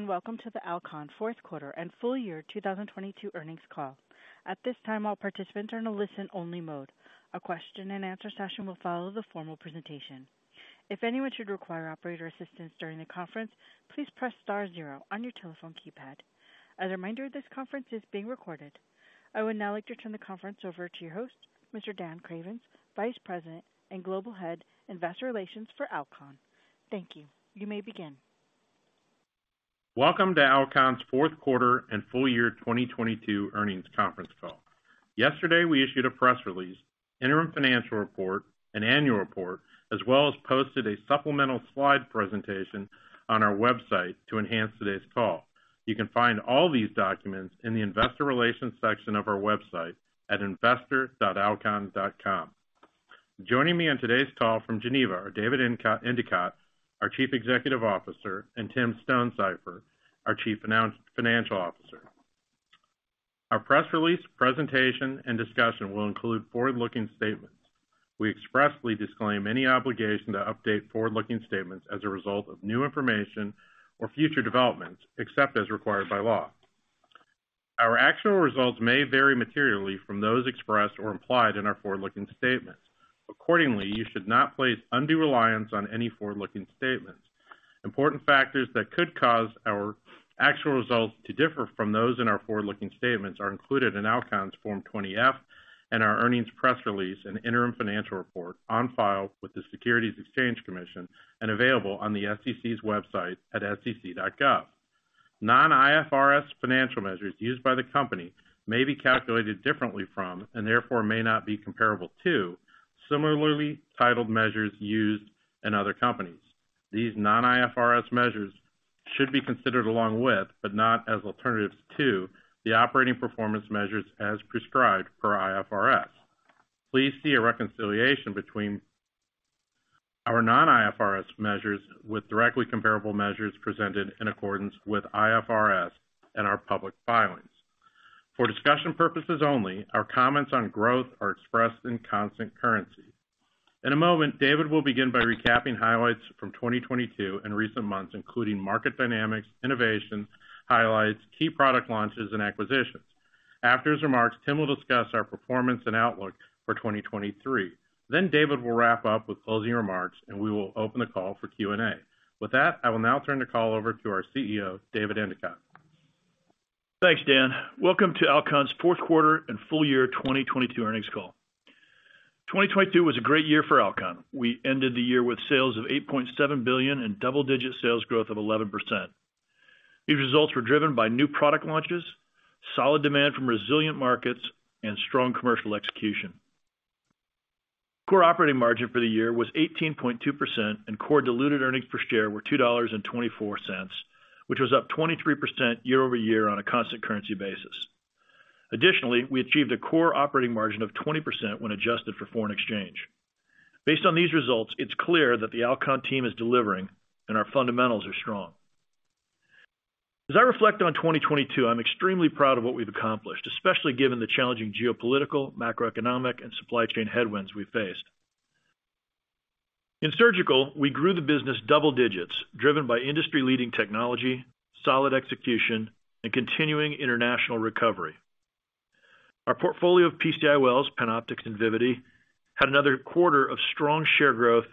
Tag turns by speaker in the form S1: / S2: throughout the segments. S1: Welcome to the Alcon Fourth Quarter and Full Year 2022 Earnings Call. At this time, all participants are in a listen only mode. A question and answer session will follow the formal presentation. If anyone should require operator assistance during the conference, please press star zero on your telephone keypad. As a reminder, this conference is being recorded. I would now like to turn the conference over to your host, Mr. Dan Cravens, Vice President and Global Head Investor Relations for Alcon. Thank you. You may begin.
S2: Welcome to Alcon's fourth quarter and full year 2022 earnings conference call. Yesterday, we issued a press release, interim financial report, and annual report, as well as posted a supplemental slide presentation on our website to enhance today's call. You can find all these documents in the investor relations section of our website at investor.alcon.com. Joining me on today's call from Geneva are David Endicott, our Chief Executive Officer, and Tim Stonesifer, our Chief Financial Officer. Our press release presentation and discussion will include forward-looking statements. We expressly disclaim any obligation to update forward-looking statements as a result of new information or future developments, except as required by law. Our actual results may vary materially from those expressed or implied in our forward-looking statements. Accordingly, you should not place undue reliance on any forward-looking statements. Important factors that could cause our actual results to differ from those in our forward-looking statements are included in Alcon's Form 20-F and our earnings press release and interim financial report on file with the Securities and Exchange Commission and available on the SEC's website at sec.gov. Non-IFRS financial measures used by the company may be calculated differently from, and therefore may not be comparable to, similarly titled measures used in other companies. These non-IFRS measures should be considered along with, but not as alternatives to, the operating performance measures as prescribed per IFRS. Please see a reconciliation between our non-IFRS measures with directly comparable measures presented in accordance with IFRS and our public filings. For discussion purposes only, our comments on growth are expressed in constant currency. In a moment, David will begin by recapping highlights from 2022 and recent months, including market dynamics, innovation, highlights, key product launches, and acquisitions. After his remarks, Tim will discuss our performance and outlook for 2023. David will wrap up with closing remarks, and we will open the call for Q&A. With that, I will now turn the call over to our CEO, David Endicott.
S3: Thanks, Dan. Welcome to Alcon's Fourth Quarter and Full Year 2022 Earnings Call. 2022 was a great year for Alcon. We ended the year with sales of $8.7 billion and double-digit sales growth of 11%. These results were driven by new product launches, solid demand from resilient markets, and strong commercial execution. Core operating margin for the year was 18.2%, and core diluted earnings per share were $2.24, which was up 23% year-over-year on a constant currency basis. Additionally, we achieved a core operating margin of 20% when adjusted for foreign exchange. Based on these results, it's clear that the Alcon team is delivering and our fundamentals are strong. As I reflect on 2022, I'm extremely proud of what we've accomplished, especially given the challenging geopolitical, macroeconomic, and supply chain headwinds we faced. In surgical, we grew the business double digits, driven by industry-leading technology, solid execution, and continuing international recovery. Our portfolio of PC-IOLs, PanOptix and Vivity, had another quarter of strong share growth.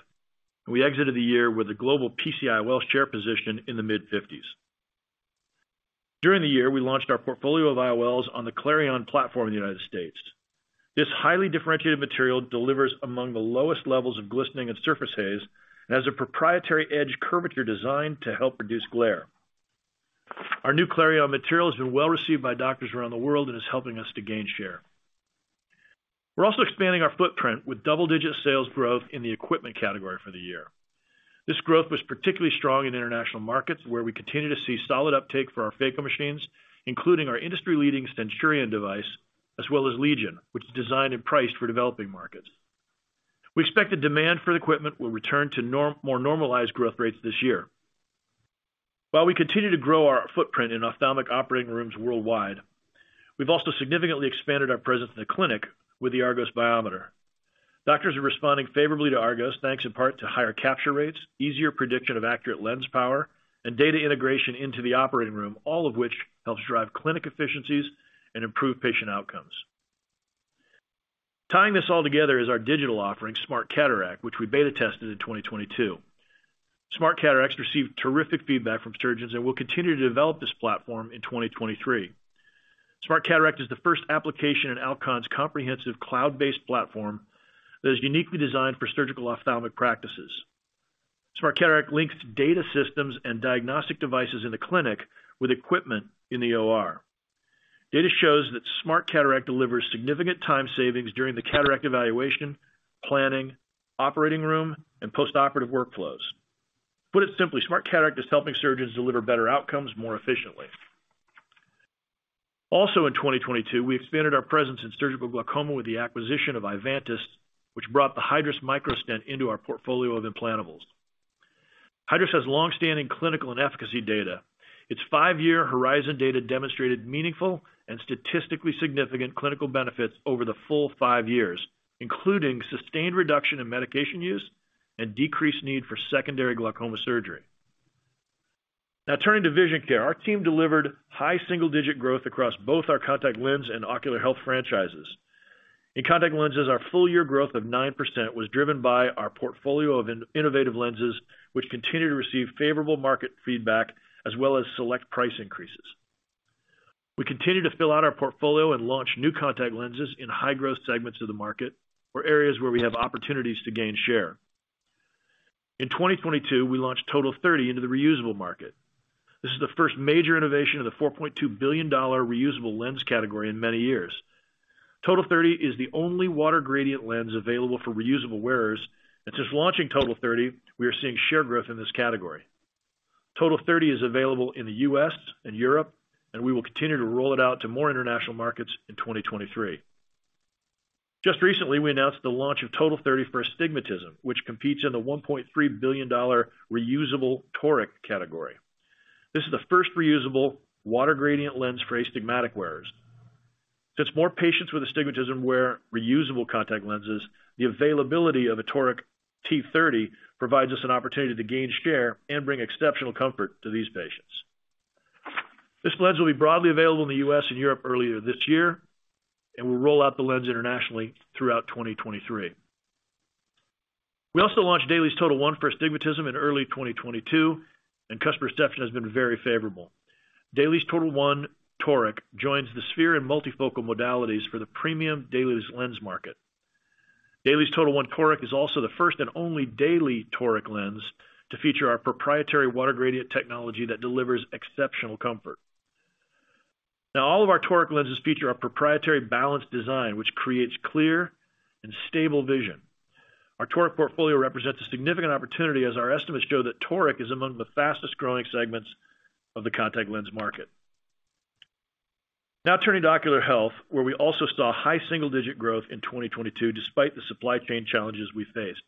S3: We exited the year with a global PC-IOLs share position in the mid-50s. During the year, we launched our portfolio of IOLs on the Clareon platform in the United States. This highly differentiated material delivers among the lowest levels of glistening and surface haze and has a proprietary edge curvature design to help reduce glare. Our new Clareon material has been well received by doctors around the world and is helping us to gain share. We're also expanding our footprint with double-digit sales growth in the equipment category for the year. This growth was particularly strong in international markets, where we continue to see solid uptake for our Phaco machines, including our industry-leading Centurion device, as well as LEGION, which is designed and priced for developing markets. We expect the demand for the equipment will return to more normalized growth rates this year. While we continue to grow our footprint in ophthalmic operating rooms worldwide, we've also significantly expanded our presence in the clinic with the ARGOS biometer. Doctors are responding favorably to ARGOS, thanks in part to higher capture rates, easier prediction of accurate lens power, and data integration into the operating room, all of which helps drive clinic efficiencies and improve patient outcomes. Tying this all together is our digital offering, SMARTCataract, which we beta tested in 2022. We'll continue to develop this platform in 2023. SMARTCataract is the first application in Alcon's comprehensive cloud-based platform that is uniquely designed for surgical ophthalmic practices. SMARTCataract links data systems and diagnostic devices in the clinic with equipment in the OR. Data shows that SMARTCataract delivers significant time savings during the cataract evaluation, planning, operating room, and postoperative workflows. Put it simply, SMARTCataract is helping surgeons deliver better outcomes more efficiently. In 2022, we expanded our presence in surgical glaucoma with the acquisition of Ivantis, which brought the Hydrus Microstent into our portfolio of implantables. Hydrus has long-standing clinical and efficacy data. Its five-year horizon data demonstrated meaningful and statistically significant clinical benefits over the full five years, including sustained reduction in medication use and decreased need for secondary glaucoma surgery. Turning to vision care. Our team delivered high single-digit growth across both our contact lens and ocular health franchises. In contact lenses, our full year growth of 9% was driven by our portfolio of innovative lenses, which continue to receive favorable market feedback as well as select price increases. We continue to fill out our portfolio and launch new contact lenses in high growth segments of the market or areas where we have opportunities to gain share. In 2022, we launched TOTAL30 into the reusable market. This is the first major innovation of the $4.2 billion reusable lens category in many years. TOTAL30 is the only Water Gradient lens available for reusable wearers. Since launching TOTAL30, we are seeing share growth in this category. TOTAL30 is available in the U.S. and Europe, we will continue to roll it out to more international markets in 2023. Just recently, we announced the launch of TOTAL30 for Astigmatism, which competes in the $1.3 billion reusable toric category. This is the first reusable Water Gradient lens for astigmatic wearers. Since more patients with astigmatism wear reusable contact lenses, the availability of a Toric T30 provides us an opportunity to gain share and bring exceptional comfort to these patients. This lens will be broadly available in the U.S. and Europe earlier this year, we'll roll out the lens internationally throughout 2023. We also launched DAILIES TOTAL1 for Astigmatism in early 2022, customer reception has been very favorable. DAILIES TOTAL1 Toric joins the sphere and multifocal modalities for the premium dailies lens market. DAILIES TOTAL1 Toric is also the first and only daily toric lens to feature our proprietary Water Gradient technology that delivers exceptional comfort. Now all of our toric lenses feature our proprietary balanced design, which creates clear and stable vision. Our toric portfolio represents a significant opportunity, as our estimates show that toric is among the fastest growing segments of the contact lens market. Now turning to ocular health, where we also saw high single-digit growth in 2022, despite the supply chain challenges we faced.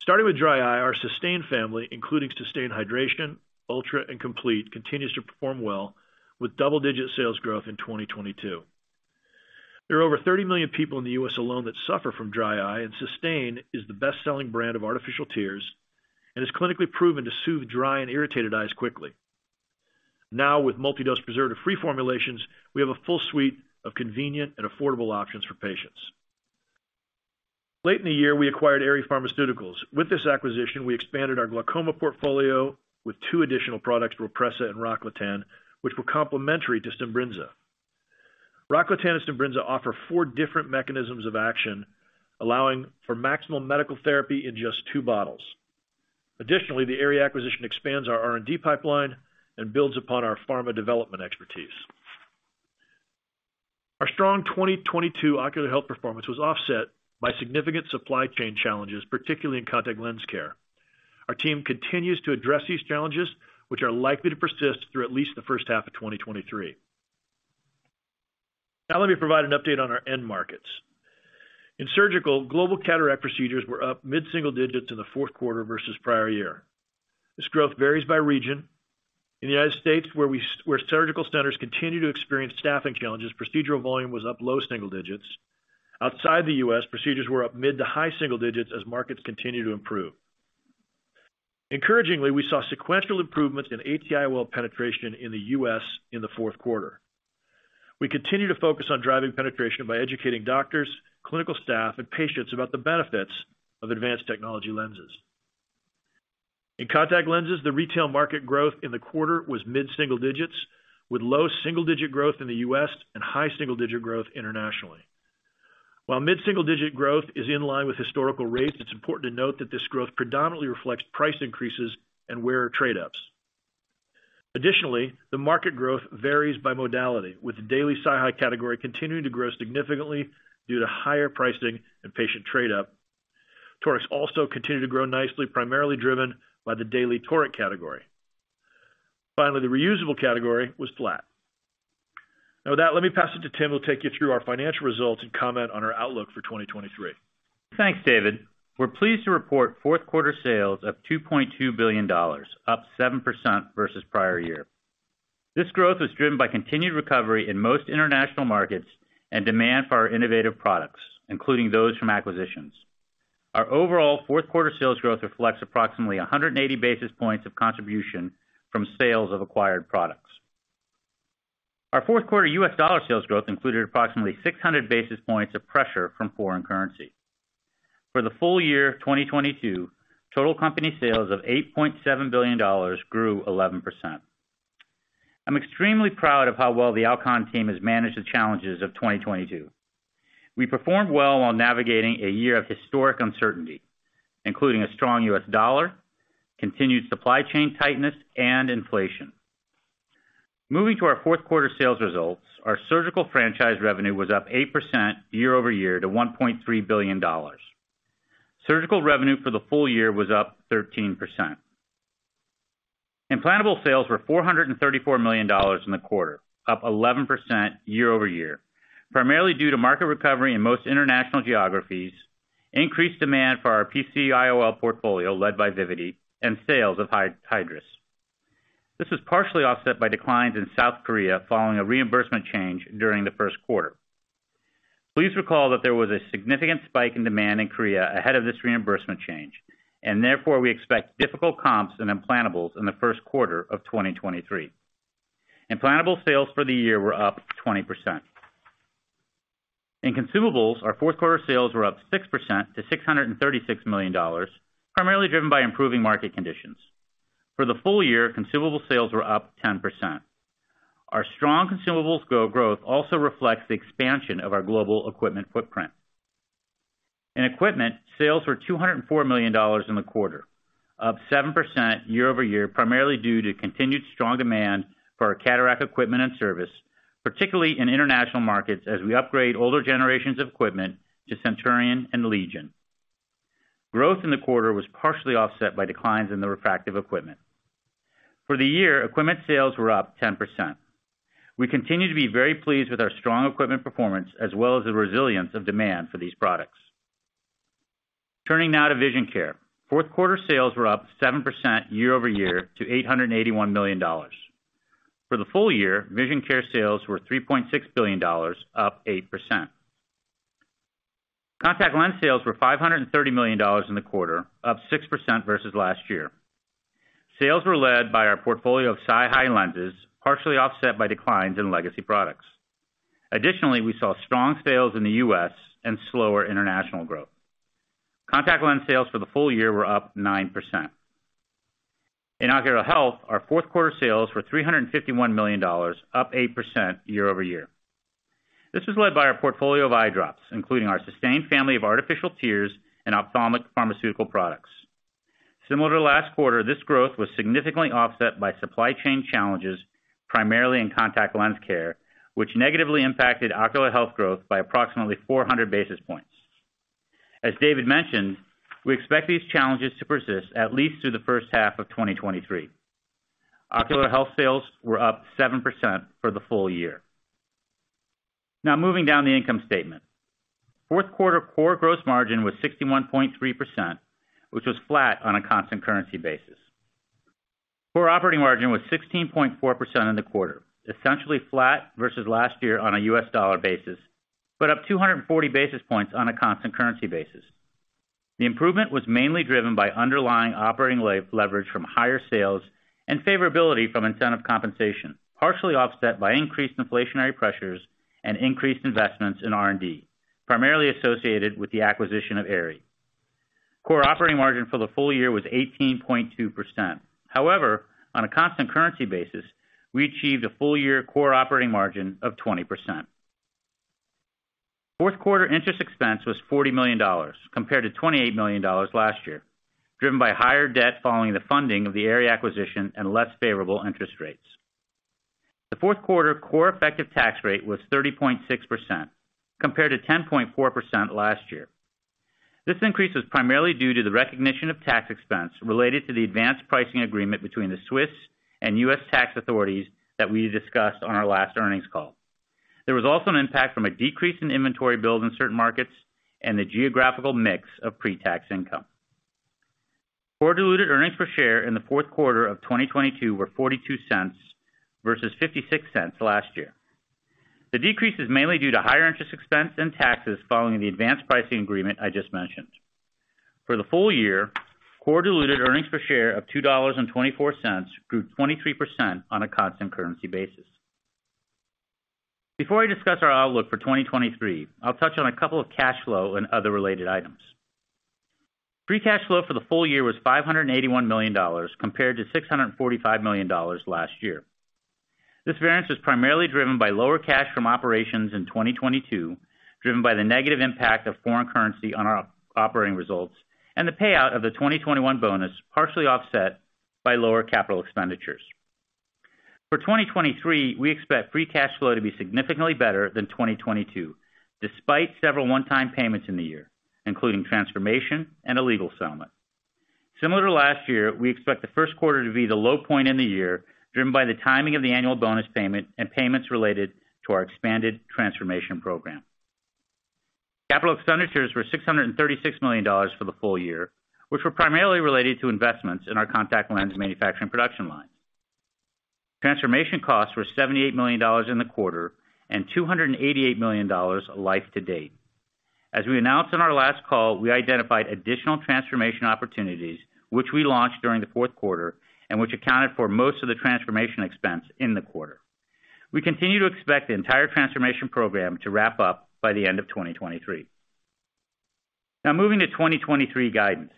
S3: Starting with dry eye, our Systane family, including Systane HYDRATION, ULTRA, and COMPLETE, continues to perform well with double-digit sales growth in 2022. There are over 30 million people in the U.S. alone that suffer from dry eye, and Systane is the best-selling brand of artificial tears and is clinically proven to soothe dry and irritated eyes quickly. Now, with multi-dose preservative-free formulations, we have a full suite of convenient and affordable options for patients. Late in the year, we acquired Aerie Pharmaceuticals. With this acquisition, we expanded our glaucoma portfolio with two additional products, RHOPRESSA and ROCKLATAN, which were complementary to SIMBRINZA. ROCKLATAN and SIMBRINZA offer four different mechanisms of action, allowing for maximum medical therapy in just two bottles. The Aerie acquisition expands our R&D pipeline and builds upon our pharma development expertise. Our strong 2022 ocular health performance was offset by significant supply chain challenges, particularly in contact lens care. Our team continues to address these challenges, which are likely to persist through at least the first half of 2023. Let me provide an update on our end markets. In surgical, global cataract procedures were up mid-single digits in the fourth quarter versus prior year. This growth varies by region. In the United States, where surgical centers continue to experience staffing challenges, procedural volume was up low single digits. Outside the U.S., procedures were up mid- to high single digits as markets continue to improve. Encouragingly, we saw sequential improvements in AT-IOL penetration in the U.S. in the fourth quarter. We continue to focus on driving penetration by educating doctors, clinical staff, and patients about the benefits of advanced technology lenses. In contact lenses, the retail market growth in the quarter was mid-single digits, with low single-digit growth in the U.S. and high single-digit growth internationally. While mid-single-digit growth is in line with historical rates, it's important to note that this growth predominantly reflects price increases and wearer trade ups. Additionally, the market growth varies by modality, with the daily SiHy category continuing to grow significantly due to higher pricing and patient trade up. Torics also continue to grow nicely, primarily driven by the daily toric category. Finally, the reusable category was flat. Now with that, let me pass it to Tim, who will take you through our financial results and comment on our outlook for 2023.
S4: Thanks, David. We're pleased to report fourth quarter sales of $2.2 billion, up 7% versus prior year. This growth was driven by continued recovery in most international markets and demand for our innovative products, including those from acquisitions. Our overall fourth quarter sales growth reflects approximately 180 basis points of contribution from sales of acquired products. Our fourth quarter US dollar sales growth included approximately 600 basis points of pressure from foreign currency. For the full year of 2022, total company sales of $8.7 billion grew 11%. I'm extremely proud of how well the Alcon team has managed the challenges of 2022. We performed well while navigating a year of historic uncertainty, including a strong US dollar, continued supply chain tightness, and inflation. Moving to our fourth quarter sales results. Our surgical franchise revenue was up 8% year-over-year to $1.3 billion. Surgical revenue for the full year was up 13%. Implantable sales were $434 million in the quarter, up 11% year-over-year, primarily due to market recovery in most international geographies, increased demand for our PC-IOL portfolio led by Vivity, and sales of Hydrus. This was partially offset by declines in South Korea following a reimbursement change during the first quarter. Please recall that there was a significant spike in demand in Korea ahead of this reimbursement change. Therefore, we expect difficult comps in implantables in the first quarter of 2023. Implantable sales for the year were up 20%. In consumables, our fourth quarter sales were up 6% to $636 million, primarily driven by improving market conditions. For the full year, consumable sales were up 10%. Our strong consumables go-growth also reflects the expansion of our global equipment footprint. In equipment, sales were $204 million in the quarter, up 7% year-over-year, primarily due to continued strong demand for our cataract equipment and service, particularly in international markets as we upgrade older generations of equipment to Centurion and LEGION. Growth in the quarter was partially offset by declines in the refractive equipment. For the year, equipment sales were up 10%. We continue to be very pleased with our strong equipment performance as well as the resilience of demand for these products. Turning now to vision care. Fourth quarter sales were up 7% year-over-year to $881 million. For the full year, vision care sales were $3.6 billion, up 8%. Contact lens sales were $530 million in the quarter, up 6% versus last year. Sales were led by our portfolio of SiHy lenses, partially offset by declines in legacy products. Additionally, we saw strong sales in the U.S. and slower international growth. Contact lens sales for the full year were up 9%. In ocular health, our fourth quarter sales were $351 million, up 8% year-over-year. This was led by our portfolio of eye drops, including our Systane family of artificial tears and ophthalmic pharmaceutical products. Similar to last quarter, this growth was significantly offset by supply chain challenges, primarily in contact lens care, which negatively impacted ocular health growth by approximately 400 basis points. As David mentioned, we expect these challenges to persist at least through the first half of 2023. Ocular health sales were up 7% for the full year. Moving down the income statement. Fourth quarter core gross margin was 61.3%, which was flat on a constant currency basis. Core operating margin was 16.4% in the quarter, essentially flat versus last year on a U.S. dollar basis, but up 240 basis points on a constant currency basis. The improvement was mainly driven by underlying operating leverage from higher sales and favorability from incentive compensation, partially offset by increased inflationary pressures and increased investments in R&D, primarily associated with the acquisition of Aerie. Core operating margin for the full year was 18.2%. On a constant currency basis, we achieved a full year core operating margin of 20%. Fourth quarter interest expense was $40 million, compared to $28 million last year, driven by higher debt following the funding of the Aerie acquisition and less favorable interest rates. The fourth quarter core effective tax rate was 30.6%, compared to 10.4% last year. This increase was primarily due to the recognition of tax expense related to the Advance Pricing Agreement between the Swiss and U.S. tax authorities that we discussed on our last earnings call. There was also an impact from a decrease in inventory build in certain markets and the geographical mix of pre-tax income. Core diluted earnings per share in the fourth quarter of 2022 were $0.42 versus $0.56 last year. The decrease is mainly due to higher interest expense and taxes following the Advance Pricing Agreement I just mentioned. For the full year, core diluted earnings per share of $2.24 grew 23% on a constant currency basis. Before I discuss our outlook for 2023, I'll touch on a couple of cash flow and other related items. Free cash flow for the full year was $581 million, compared to $645 million last year. This variance was primarily driven by lower cash from operations in 2022, driven by the negative impact of foreign currency on operating results, and the payout of the 2021 bonus, partially offset by lower capital expenditures. For 2023, we expect free cash flow to be significantly better than 2022, despite several one-time payments in the year, including transformation and a legal settlement. Similar to last year, we expect the first quarter to be the low point in the year, driven by the timing of the annual bonus payment and payments related to our expanded transformation program. CapEx were $636 million for the full year, which were primarily related to investments in our contact lens manufacturing production line. Transformation costs were $78 million in the quarter and $288 million life-to-date. We announced on our last call, we identified additional transformation opportunities which we launched during the fourth quarter and which accounted for most of the transformation expense in the quarter. We continue to expect the entire transformation program to wrap up by the end of 2023. Moving to 2023 guidance.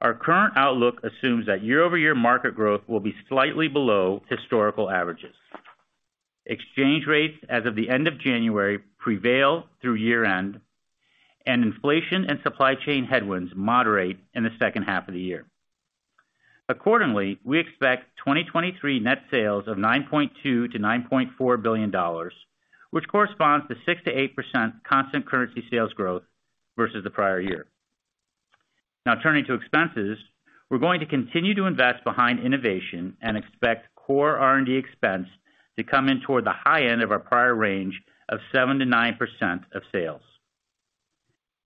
S4: Our current outlook assumes that year-over-year market growth will be slightly below historical averages. Exchange rates as of the end of January prevail through year end, inflation and supply chain headwinds moderate in the second half of the year. Accordingly, we expect 2023 net sales of $9.2 billion-$9.4 billion, which corresponds to 6%-8% constant currency sales growth versus the prior year. Now turning to expenses, we're going to continue to invest behind innovation and expect core R&D expense to come in toward the high end of our prior range of 7%-9% of sales.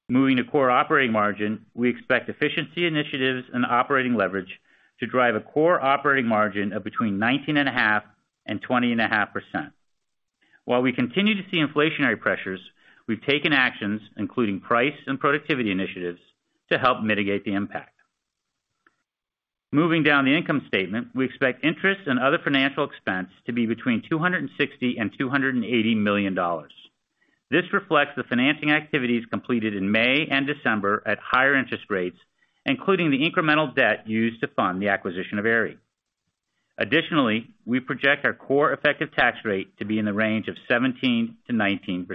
S4: Moving to core operating margin, we expect efficiency initiatives and operating leverage to drive a core operating margin of between 19.5% and 20.5%. While we continue to see inflationary pressures, we've taken actions, including price and productivity initiatives, to help mitigate the impact. Moving down the income statement, we expect interest and other financial expense to be between $260 million and $280 million. This reflects the financing activities completed in May and December at higher interest rates, including the incremental debt used to fund the acquisition of Aerie. Additionally, we project our core effective tax rate to be in the range of 17%-19%.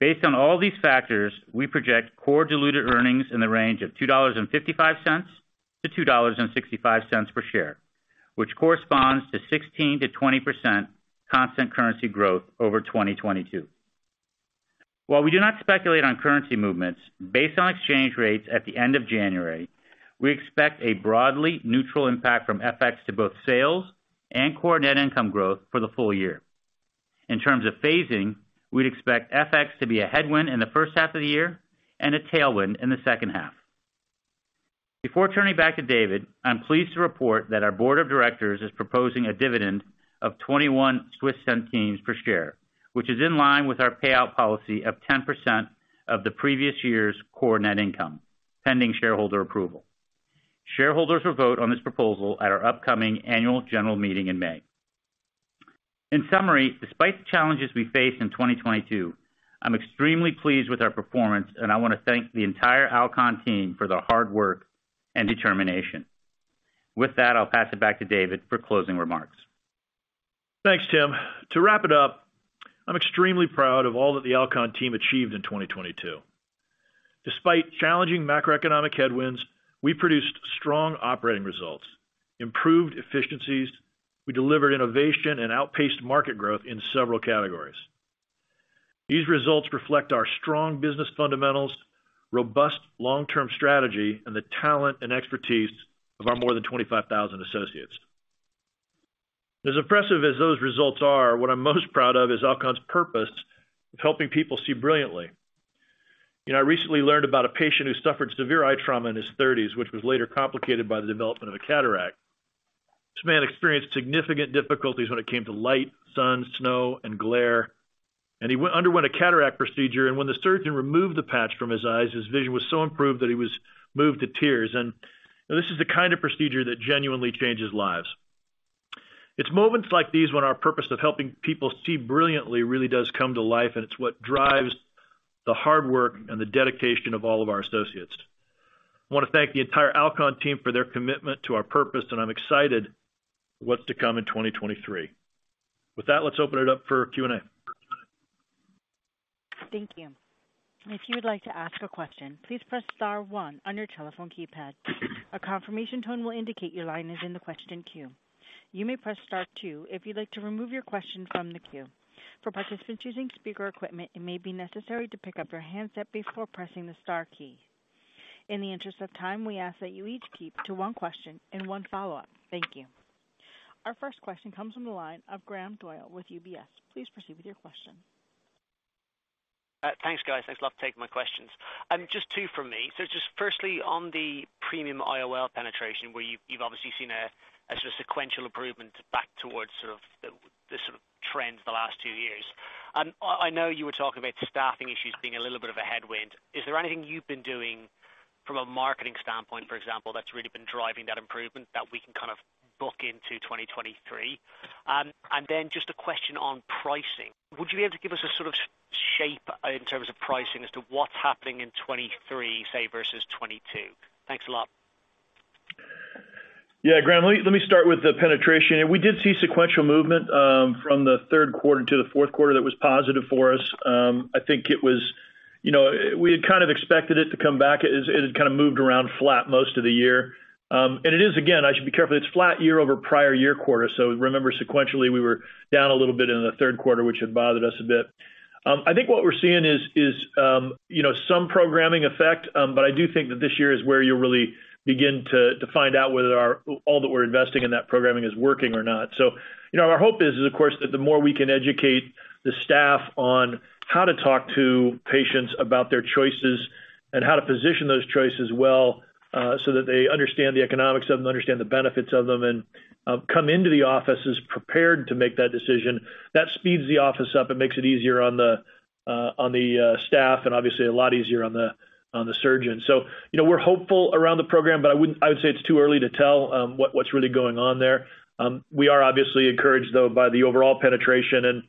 S4: Based on all these factors, we project core diluted earnings in the range of $2.55-$2.65 per share, which corresponds to 16%-20% constant currency growth over 2022. While we do not speculate on currency movements based on exchange rates at the end of January, we expect a broadly neutral impact from FX to both sales and core net income growth for the full year. In terms of phasing, we'd expect FX to be a headwind in the first half of the year and a tailwind in the second half. Before turning back to David, I'm pleased to report that our board of directors is proposing a dividend of 0.21 per share, which is in line with our payout policy of 10% of the previous year's core net income, pending shareholder approval. Shareholders will vote on this proposal at our upcoming annual general meeting in May. In summary, despite the challenges we faced in 2022, I'm extremely pleased with our performance, and I want to thank the entire Alcon team for their hard work and determination. With that, I'll pass it back to David for closing remarks.
S3: Thanks, Tim. To wrap it up, I'm extremely proud of all that the Alcon team achieved in 2022. Despite challenging macroeconomic headwinds, we produced strong operating results, improved efficiencies. We delivered innovation and outpaced market growth in several categories. These results reflect our strong business fundamentals, robust long-term strategy, and the talent and expertise of our more than 25,000 associates. As impressive as those results are, what I'm most proud of is Alcon's purpose of helping people see brilliantly. I recently learned about a patient who suffered severe eye trauma in his thirties, which was later complicated by the development of a cataract. This man experienced significant difficulties when it came to light, sun, snow, and glare, and he underwent a cataract procedure, and when the surgeon removed the patch from his eyes, his vision was so improved that he was moved to tears. This is the kind of procedure that genuinely changes lives. It's moments like these when our purpose of helping people see brilliantly really does come to life, and it's what drives the hard work and the dedication of all of our associates. I want to thank the entire Alcon team for their commitment to our purpose, and I'm excited what's to come in 2023. With that, let's open it up for Q&A.
S1: Thank you. If you would like to ask a question, please press star one on your telephone keypad. A confirmation tone will indicate your line is in the question queue. You may press star two if you'd like to remove your question from the queue. For participants using speaker equipment, it may be necessary to pick up your handset before pressing the star key. In the interest of time, we ask that you each keep to one question and one follow-up. Thank you. Our first question comes from the line of Graham Doyle with UBS. Please proceed with your question.
S5: Thanks, guys. Thanks a lot for taking my questions. Just two from me. Just firstly, on the premium IOL penetration, where you've obviously seen a sort of sequential improvement back towards the sort of trends the last two years. I know you were talking about staffing issues being a little bit of a headwind. Is there anything you've been doing from a marketing standpoint, for example, that's really been driving that improvement that we can kind of book into 2023? Then just a question on pricing. Would you be able to give us a sort of shape in terms of pricing as to what's happening in 2023, say, versus 2022? Thanks a lot.
S3: Yeah, Graham, let me start with the penetration. We did see sequential movement from the third quarter to the fourth quarter that was positive for us. I think it was, you know, we had kind of expected it to come back. It had kind of moved around flat most of the year. It is again, I should be careful. It's flat year over prior year quarter. Remember, sequentially, we were down a little bit in the third quarter, which had bothered us a bit. I think what we're seeing is some programming effect. I do think that this year is where you'll really begin to find out whether all that we're investing in that programming is working or not. Our hope is of course, that the more we can educate the staff on how to talk to patients about their choices and how to position those choices well, so that they understand the economics of them, understand the benefits of them, and come into the office as prepared to make that decision. That speeds the office up. It makes it easier on the on the staff and obviously a lot easier on the on the surgeon. We're hopeful around the program, but I would say it's too early to tell what's really going on there. We are obviously encouraged, though, by the overall penetration.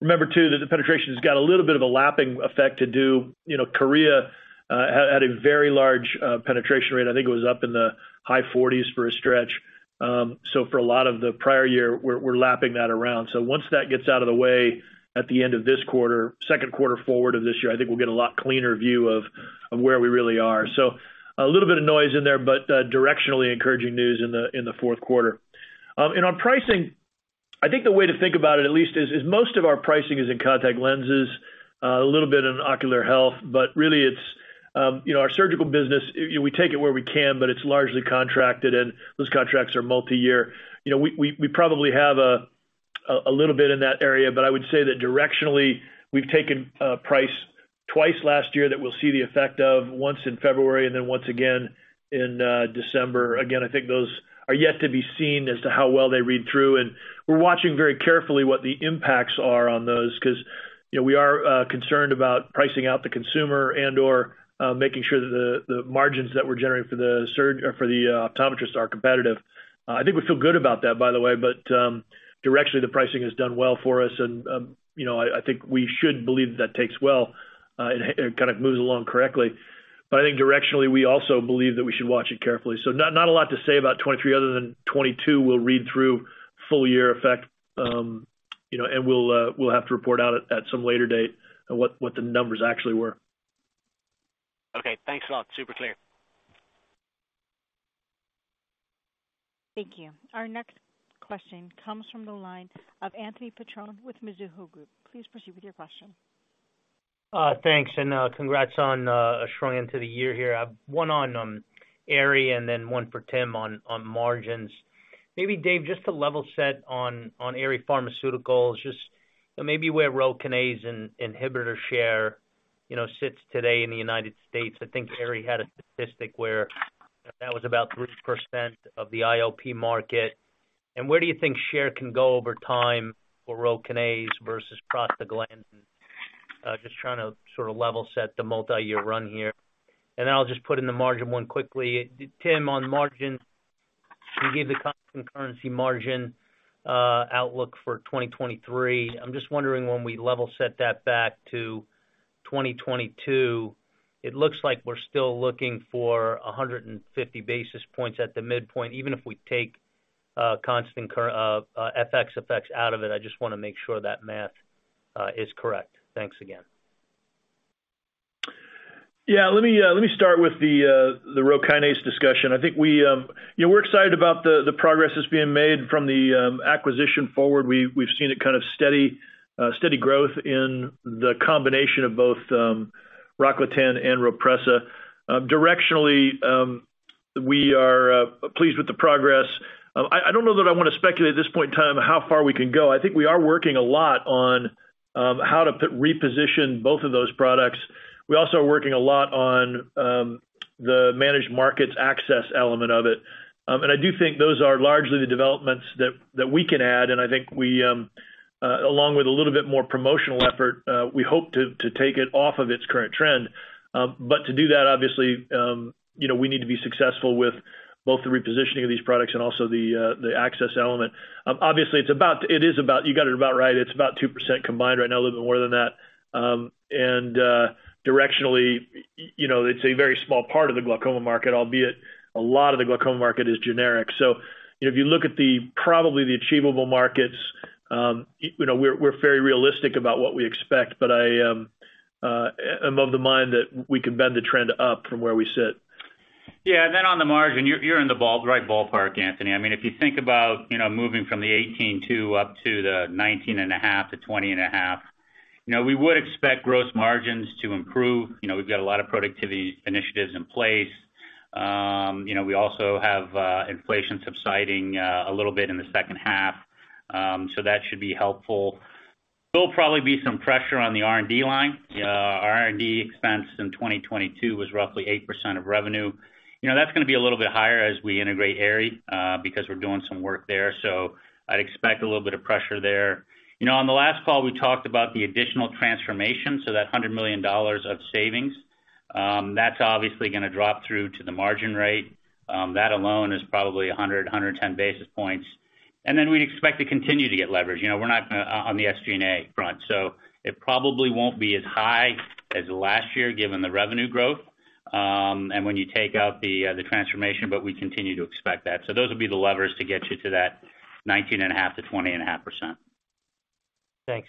S3: Remember, too, that the penetration has got a little bit of a lapping effect to do. Korea had a very large penetration rate. I think it was up in the high 40s for a stretch. For a lot of the prior year, we're lapping that around. Once that gets out of the way at the end of this quarter, second quarter forward of this year, I think we'll get a lot cleaner view of where we really are. A little bit of noise in there, but directionally encouraging news in the fourth quarter. On pricing, I think the way to think about it, at least, is most of our pricing is in contact lenses, a little bit in ocular health, but really it's our surgical business, we take it where we can, but it's largely contracted, and those contracts are multi-year. We probably have a little bit in that area, but I would say that directionally, we've taken price twice last year that we'll see the effect of once in February and then once again in December. Again, I think those are yet to be seen as to how well they read through. We're watching very carefully what the impacts are on those because we are concerned about pricing out the consumer and/or making sure that the margins that we're generating for the optometrists are competitive. I think we feel good about that, by the way, but directionally, the pricing has done well for us and I think we should believe that that takes well and kind of moves along correctly. I think directionally, we also believe that we should watch it carefully. Not a lot to say about 2023 other than 2022 will read through full year effect and we'll have to report out at some later date on what the numbers actually were.
S5: Okay. Thanks a lot. Super clear.
S1: Thank you. Our next question comes from the line of Anthony Petrone with Mizuho Group. Please proceed with your question.
S6: Thanks, congrats on a strong end to the year here. I've one on Aerie and then one for Tim on margins. Maybe Dave, to level set on Aerie Pharmaceuticals, where rho kinase inhibitor share sits today in the United States. I think Aerie had a statistic where that was about 3% of the IOP market. Where do you think share can go over time for rho kinase versus prostaglandin? Just trying to sort of level set the multi-year run here. Then I'll just put in the margin one quickly. Tim, on margin, you gave the constant currency margin outlook for 2023. I'm just wondering when we level set that back to 2022, it looks like we're still looking for 150 basis points at the midpoint, even if we take constant FX effects out of it. I just wanna make sure that math is correct. Thanks again.
S3: Yeah. Let me start with the rho kinase discussion. I think we're excited about the progress that's being made from the acquisition forward. We've seen a kind of steady growth in the combination of both ROCKLATAN and RHOPRESSA. Directionally, we are pleased with the progress. I don't know that I wanna speculate at this point in time how far we can go. I think we are working a lot on how to reposition both of those products. We also are working a lot on the managed markets access element of it. I do think those are largely the developments that we can add, and I think we, along with a little bit more promotional effort, we hope to take it off of its current trend. To do that, obviously, we need to be successful with both the repositioning of these products and also the access element. Obviously, it is about. You got it about right. It's about 2% combined right now, a little bit more than that. Directionally, it's a very small part of the glaucoma market, albeit a lot of the glaucoma market is generic. If you look at the, probably the achievable markets, we're very realistic about what we expect, but I am of the mind that we can bend the trend up from where we sit.
S4: On the margin, you're in the ballpark, Anthony. I mean, if you think about moving from the 18.2% up to the 19.5%-20.5%, we would expect gross margins to improve. We've got a lot of productivity initiatives in place. We also have inflation subsiding a little bit in the second half, so that should be helpful. There'll probably be some pressure on the R&D line. Our R&D expense in 2022 was roughly 8% of revenue. You know, that's gonna be a little bit higher as we integrate Aerie because we're doing some work there. I'd expect a little bit of pressure there. You know, on the last call, we talked about the additional transformation, that $100 million of savings. That's obviously gonna drop through to the margin rate. That alone is probably 100-110 basis points. We'd expect to continue to get leverage. You know, we're not gonna on the SG&A front. It probably won't be as high as last year given the revenue growth, and when you take out the transformation, we continue to expect that. Those will be the levers to get you to that 19.5%-20.5%.
S6: Thanks.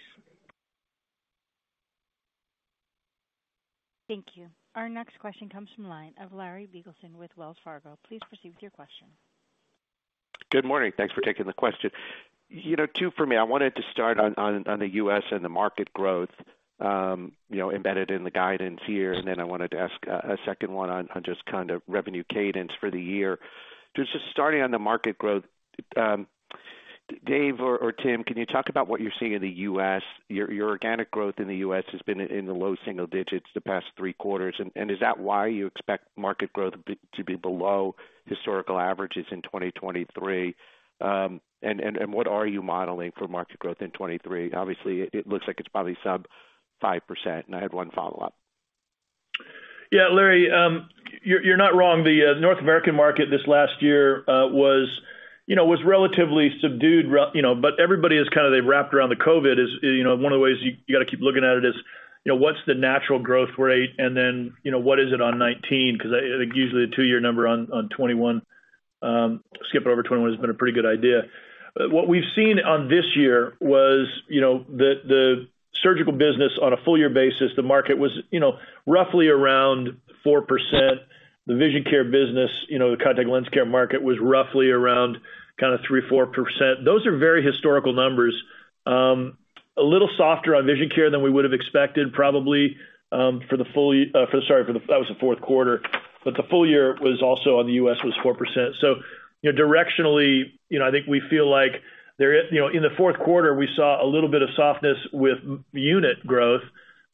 S1: Thank you. Our next question comes from line of Larry Biegelsen with Wells Fargo. Please proceed with your question.
S7: Good morning. Thanks for taking the question. two for me. I wanted to start on the U.S. and the market growth embedded in the guidance here, and then I wanted to ask a second one on just kind of revenue cadence for the year. Just starting on the market growth, Dave or Tim, can you talk about what you're seeing in the U.S.? Your organic growth in the U.S. has been in the low single digits the past three quarters. Is that why you expect market growth to be below historical averages in 2023? What are you modeling for market growth in 2023? Obviously, it looks like it's probably sub 5%. I have one follow-up.
S3: Larry, you're not wrong. The North American market this last year was relatively subdued but everybody is kind of... They've wrapped around the COVID is one of the ways you gotta keep looking at it is what's the natural growth rate and then, you know, what is it on 2019 'cause I think usually a two-year number on 2021. Skipping over 2021 has been a pretty good idea. What we've seen on this year was the surgical business on a full year basis, the market was roughly around 4%. The vision care business, you know, the contact lens care market was roughly around kind of 3%-4%. Those are very historical numbers. A little softer on vision care than we would have expected probably, for the full, for, sorry, for the, that was the fourth quarter. The full year was also on the U.S. was 4%. You know, directionally, you know, I think we feel like there is, you know, in the fourth quarter, we saw a little bit of softness with unit growth,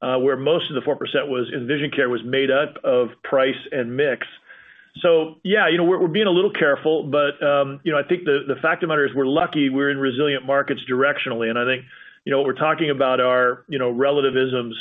S3: where most of the 4% was, in vision care, was made up of price and mix. Yeah, you know, we're being a little careful, but, you know, I think the fact of the matter is we're lucky we're in resilient markets directionally. I think, you know, what we're talking about are, you know, relativisms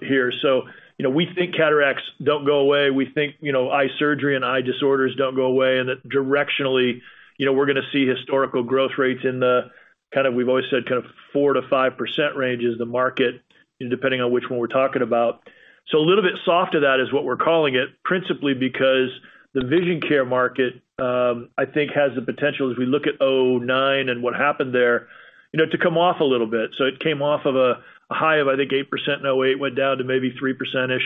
S3: here. You know, we think cataracts don't go away. We think, you know, eye surgery and eye disorders don't go away, and that directionally, you know, we're gonna see historical growth rates in the kind of, we've always said, kind of 4%-5% range as the market, depending on which one we're talking about. A little bit soft to that is what we're calling it, principally because the vision care market, I think has the potential, as we look at 2009 and what happened there, you know, to come off a little bit. It came off of a high of, I think, 8% in 2008, went down to maybe 3 percentish,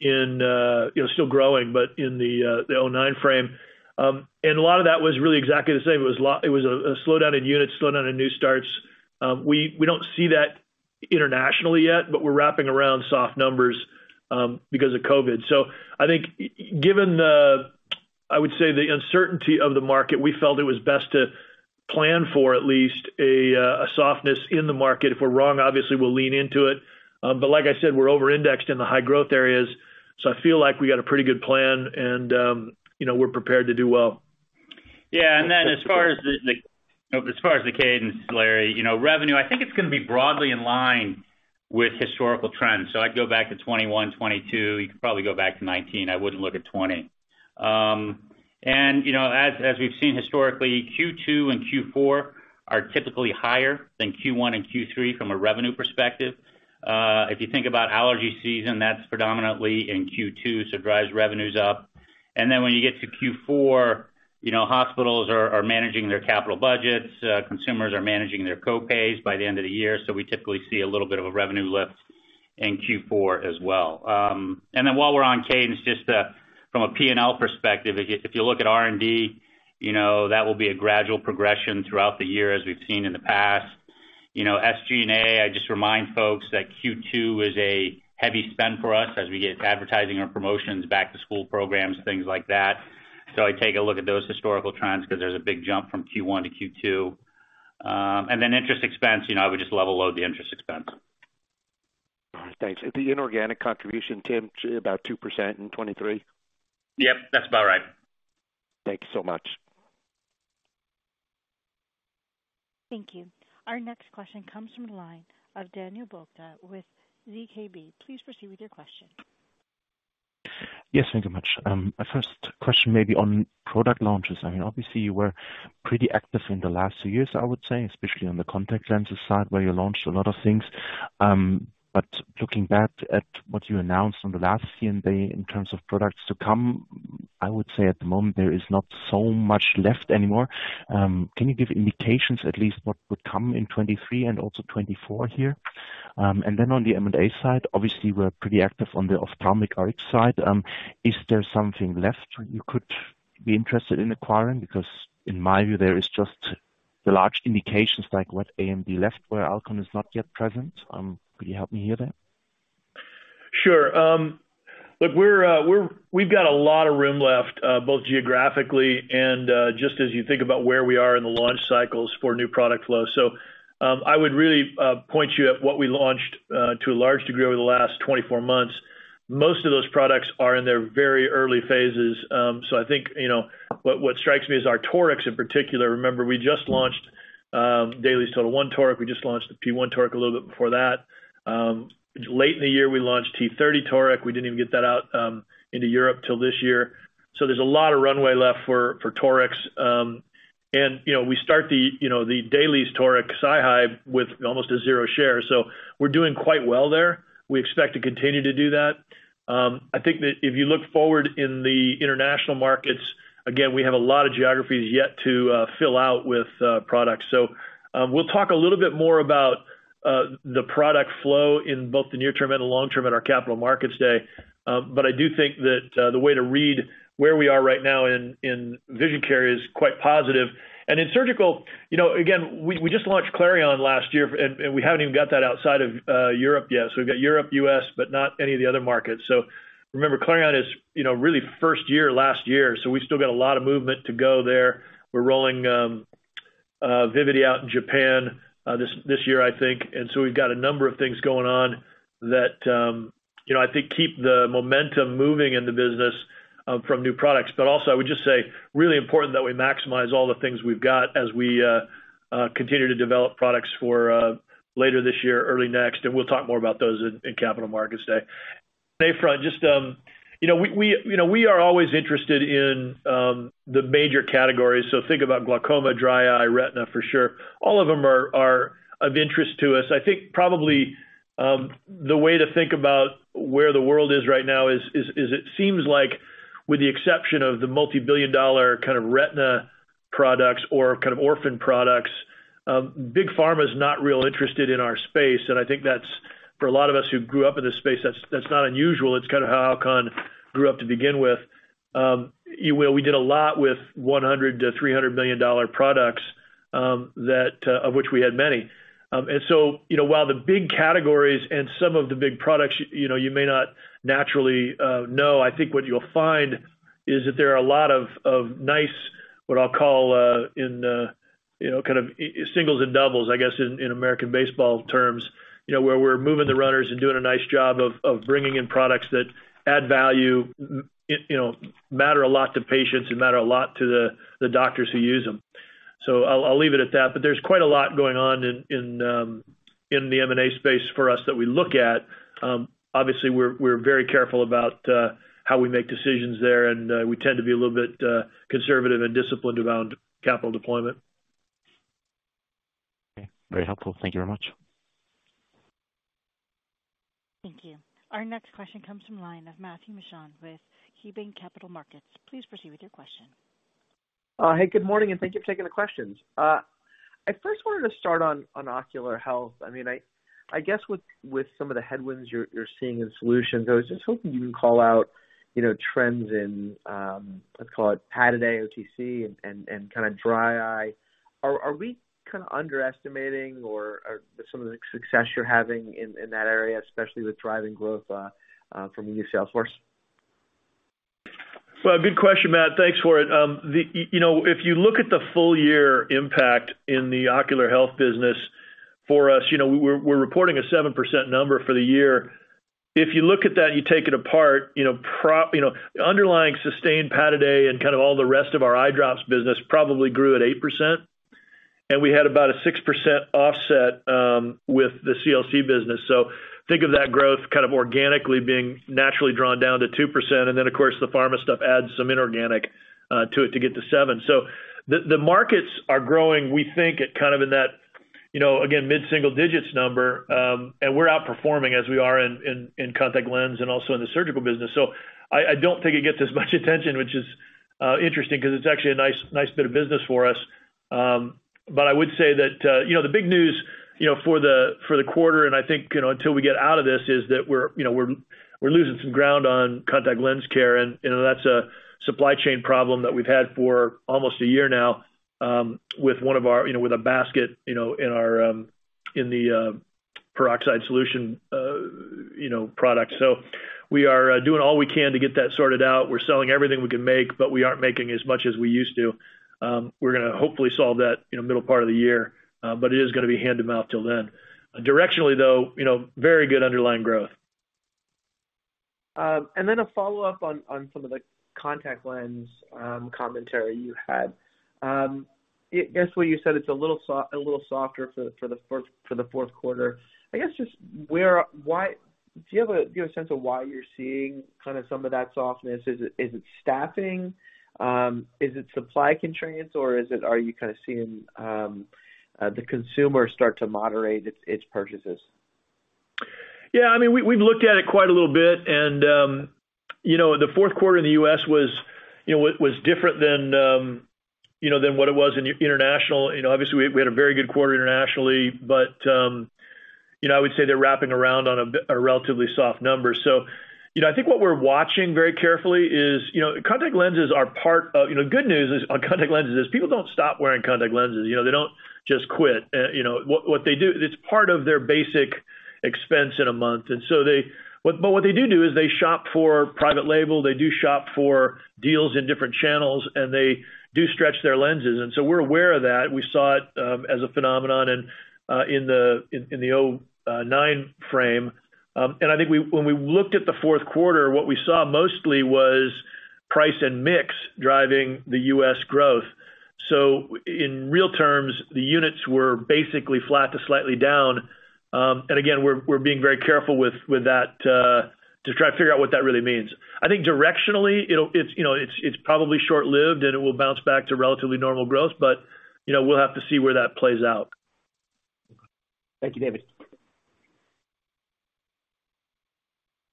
S3: in, you know, still growing, but in the 2009 frame. A lot of that was really exactly the same. It was a slowdown in units, slowdown in new starts. We, we don't see that internationally yet, but we're wrapping around soft numbers, because of COVID. I think given the, I would say, the uncertainty of the market, we felt it was best to plan for at least a softness in the market. If we're wrong, obviously, we'll lean into it. Like I said, we're over-indexed in the high growth areas, so I feel like we got a pretty good plan and, you know, we're prepared to do well.
S4: Yeah. As far as the cadence, Larry, you know, revenue, I think it's gonna be broadly in line with historical trends. I'd go back to 2021, 2022. You could probably go back to 2019. I wouldn't look at 2020. You know, as we've seen historically, Q2 and Q4 are typically higher than Q1 and Q3 from a revenue perspective. If you think about allergy season, that's predominantly in Q2, so it drives revenues up. When you get to Q4, you know, hospitals are managing their capital budgets, consumers are managing their co-pays by the end of the year. We typically see a little bit of a revenue lift in Q4 as well. While we're on cadence, just from a P&L perspective, if you look at R&D, you know, that will be a gradual progression throughout the year as we've seen in the past. You know, SG&A, I just remind folks that Q2 is a heavy spend for us as we get advertising our promotions, back-to-school programs, things like that. I take a look at those historical trends 'cause there's a big jump from Q1 to Q2. Interest expense, you know, I would just level load the interest expense.
S7: All right. Thanks. The inorganic contribution, Tim, about 2% in 2023?
S4: Yep, that's about right.
S7: Thank you so much.
S1: Thank you. Our next question comes from the line of Daniel Jelovcan with ZKB. Please proceed with your question.
S8: Yes, thank you much. My first question may be on product launches. I mean, obviously, you were pretty active in the last two years, I would say, especially on the contact lenses side, where you launched a lot of things. Looking back at what you announced on the last CMD in terms of products to come, I would say at the moment, there is not so much left anymore. Can you give indications at least what would come in 2023 and also 2024 here? On the M&A side, obviously, we're pretty active on the ophthalmic RX side. Is there something left you could be interested in acquiring? Because in my view, there is just the large indications like what AMD left, where Alcon is not yet present. Could you help me here then?
S3: Sure. Look, we're, we've got a lot of room left, both geographically and just as you think about where we are in the launch cycles for new product flow. I would really point you at what we launched to a large degree over the last 24 months. Most of those products are in their very early phases. I think, you know, what strikes me is our Torics in particular. Remember, we just launched DAILIES TOTAL1 Toric. We just launched the P1 Toric a little bit before that. Late in the year, we launched T30 Toric. We didn't even get that out into Europe till this year. There's a lot of runway left for Torics. And, you know, we start the, you know, the DAILIES Toric SiHy with almost a zero share. We're doing quite well there. We expect to continue to do that. I think that if you look forward in the international markets, again, we have a lot of geographies yet to fill out with products. We'll talk a little bit more about the product flow in both the near term and the long term at our Capital Markets Day. I do think that the way to read where we are right now in vision care is quite positive. In surgical, you know, again, we just launched Clareon last year and we haven't even got that outside of Europe yet. We've got Europe, U.S., but not any of the other markets. Remember, Clareon is, you know, really first year last year, so we still got a lot of movement to go there. We're rolling Vivity out in Japan this year, I think. We've got a number of things going on that, you know, I think keep the momentum moving in the business from new products. Also, I would just say, really important that we maximize all the things we've got as we continue to develop products for later this year, early next, and we'll talk more about those in Capital Markets Day. NAFAR, just, you know, we, you know, we are always interested in the major categories. Think about glaucoma, dry eye, retina, for sure. All of them are of interest to us. I think probably, the way to think about where the world is right now is it seems like with the exception of the multi-billion dollar kind of retina products or kind of orphan products, big pharma is not real interested in our space, and I think that's. For a lot of us who grew up in this space, that's not unusual. It's kind of how Alcon grew up to begin with. You know, we did a lot with $100 million-$300 million products that of which we had many. You know, while the big categories and some of the big products, you know, you may not naturally know, I think what you'll find is that there are a lot of nice, what I'll call, in the, you know, kind of singles and doubles, I guess, in American baseball terms. You know, where we're moving the runners and doing a nice job of bringing in products that add value, you know, matter a lot to patients and matter a lot to the doctors who use them. I'll leave it at that. There's quite a lot going on in the M&A space for us that we look at. Obviously, we're very careful about how we make decisions there, and we tend to be a little bit conservative and disciplined around capital deployment.
S8: Okay. Very helpful. Thank you very much.
S1: Thank you. Our next question comes from line of Matthew Mishan with KeyBanc Capital Markets. Please proceed with your question.
S9: Hey, good morning, and thank you for taking the questions. I first wanted to start on ocular health. I mean, I guess with some of the headwinds you're seeing in solutions, I was just hoping you can call out, you know, trends in, let's call it penetrating AT-IOLs and kind of dry eye. Are we kind of underestimating or are some of the success you're having in that area, especially with driving growth from the new sales force?
S3: Good question, Matt. Thanks for it. you know, if you look at the full year impact in the ocular health business for us, you know, we're reporting a 7% number for the year. If you look at that and you take it apart, you know, underlying Systane and kind of all the rest of our eye drops business probably grew at 8%. We had about a 6% offset with the CLC business. Think of that growth kind of organically being naturally drawn down to 2%. Then, of course, the pharma stuff adds some inorganic to it to get to seven. The, the markets are growing. We think it kind of in that, you know, again, mid-single-digit number, and we're outperforming as we are in contact lens and also in the surgical business. I don't think it gets as much attention, which is interesting because it's actually a nice bit of business for us. I would say that, you know, the big news, you know, for the, for the quarter, and I think, you know, until we get out of this, is that we're, you know, we're losing some ground on contact lens care, and, you know, that's a supply chain problem that we've had for almost a year now, with one of our, you know, with a basket, you know, in our, in the peroxide solution, you know, product. We are doing all we can to get that sorted out. We're selling everything we can make, but we aren't making as much as we used to. We're gonna hopefully solve that in the middle part of the year, but it is gonna be hand-to-mouth till then. Directionally, though, you know, very good underlying growth.
S9: Then a follow-up on some of the contact lens commentary you had. I guess where you said it's a little softer for the fourth quarter. I guess just why do you have a sense of why you're seeing kind of some of that softness? Is it staffing? Is it supply constraints, or are you kind of seeing the consumer start to moderate its purchases?
S3: Yeah. I mean, we've looked at it quite a little bit, you know, the fourth quarter in the U.S. was, you know, different than, you know, than what it was in international. Obviously we had a very good quarter internationally, but, you know, I would say they're wrapping around on a relatively soft number. I think what we're watching very carefully is, you know, contact lenses are part of. Good news is on contact lenses is people don't stop wearing contact lenses. They don't just quit. What they do, it's part of their basic expense in a month. But what they do do is they shop for private label, they do shop for deals in different channels, and they do stretch their lenses. We're aware of that. We saw it as a phenomenon in the 9 frame. I think when we looked at the fourth quarter, what we saw mostly was price and mix driving the U.S. growth. In real terms, the units were basically flat to slightly down. Again, we're being very careful with that to try to figure out what that really means. I think directionally it's, you know, it's probably short-lived, and it will bounce back to relatively normal growth. You know, we'll have to see where that plays out.
S9: Thank you, David.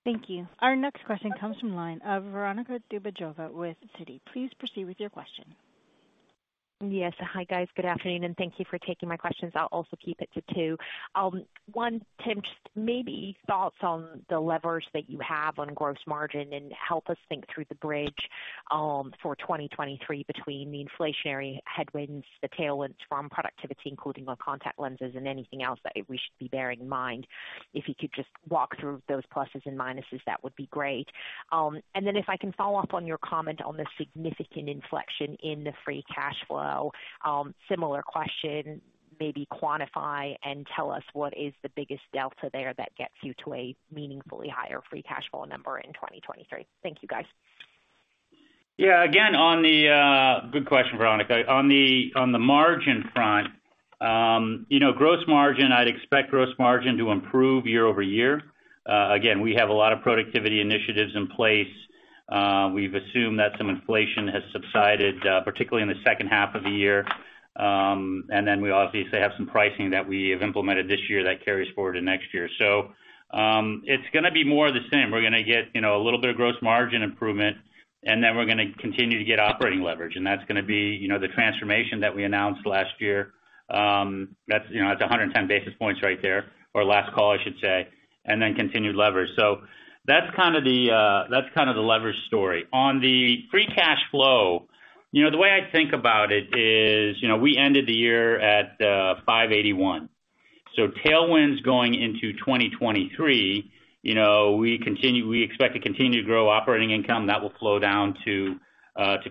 S1: Thank you. Our next question comes from line of Veronika Dubajova with Citi. Please proceed with your question.
S10: Yes. Hi, guys. Good afternoon, and thank you for taking my questions. I'll also keep it to two. One, Tim, just maybe thoughts on the levers that you have on gross margin and help us think through the bridge for 2023 between the inflationary headwinds, the tailwinds from productivity, including on contact lenses and anything else that we should be bearing in mind. If you could just walk through those pluses and minuses, that would be great. And then if I can follow up on your comment on the significant inflection in the free cash flow. Similar question, maybe quantify and tell us what is the biggest delta there that gets you to a meaningfully higher free cash flow number in 2023. Thank you, guys.
S4: Again, good question, Veronika. On the margin front, you know, gross margin, I'd expect gross margin to improve year-over-year. Again, we have a lot of productivity initiatives in place. We've assumed that some inflation has subsided, particularly in the second half of the year. Then we obviously have some pricing that we have implemented this year that carries forward to next year. It's gonna be more of the same. We're gonna get, you know, a little bit of gross margin improvement, and then we're gonna continue to get operating leverage, and that's gonna be, you know, the transformation that we announced last year. That's, you know, that's 110 basis points right there, or last call, I should say, and then continued leverage. That's kind of the, that's kind of the leverage story. On the free cash flow, you know, the way I think about it is, you know, we ended the year at $581. Tailwinds going into 2023, you know, we expect to continue to grow operating income. That will flow down to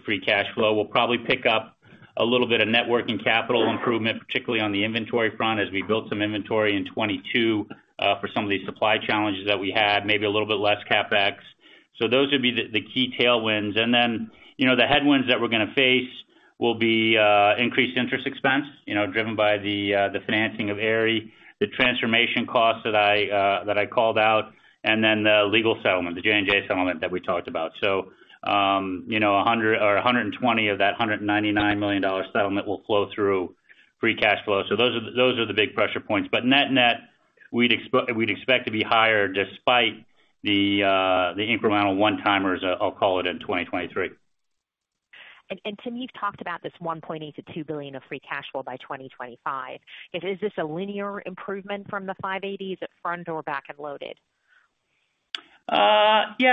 S4: free cash flow. We'll probably pick up a little bit of networking capital improvement, particularly on the inventory front, as we built some inventory in 2022, for some of these supply challenges that we had, maybe a little bit less CapEx. Those would be the key tailwinds. You know, the headwinds that we're gonna face will be increased interest expense, you know, driven by the financing of Aerie, the transformation costs that I called out, and then the legal settlement, the J&J settlement that we talked about. You know, $100 or $120 of that $199 million settlement will flow through free cash flow. Those are the big pressure points. Net net, we'd expect to be higher despite the incremental one-timers, I'll call it, in 2023.
S10: Tim, you've talked about this $1.8 billion-$2 billion of free cash flow by 2025? Is this a linear improvement from the $580 million? Is it front or back-end loaded?
S4: Yeah.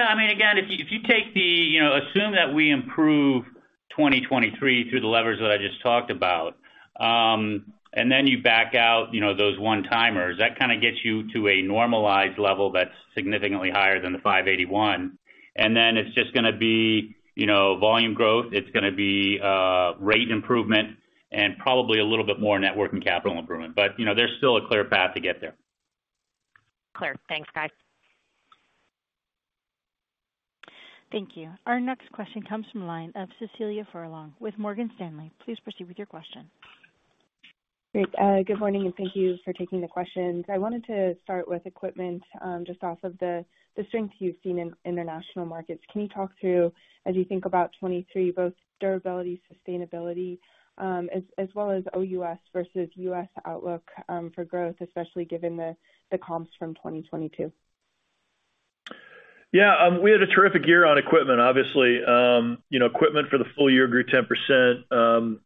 S4: I mean, again, if you, if you take the, you know, assume that we improve 2023 through the levers that I just talked about, and then you back out, you know, those one-timers, that kind of gets you to a normalized level that's significantly higher than the $581. Then it's just gonna be, you know, volume growth. It's gonna be, rate improvement and probably a little bit more networking capital improvement. You know, there's still a clear path to get there.
S10: Clear. Thanks, guys.
S1: Thank you. Our next question comes from the line of Cecilia Furlong with Morgan Stanley. Please proceed with your question.
S11: Great. Good morning, and thank you for taking the questions. I wanted to start with equipment, just off of the strength you've seen in international markets. Can you talk through, as you think about 2023, both durability, sustainability, as well as OUS versus US outlook, for growth, especially given the comps from 2022?
S3: Yeah. We had a terrific year on equipment, obviously. You know, equipment for the full year grew 10%.